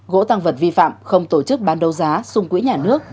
gỗ tăng vật vi phạm không tổ chức ban đầu giá sung quỹ nhà nước